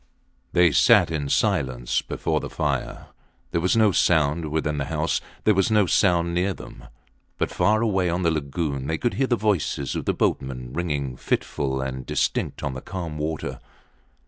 They sat in silence before the fire. There was no sound within the house, there was no sound near them; but far away on the lagoon they could hear the voices of the boatmen ringing fitful and distinct on the calm water.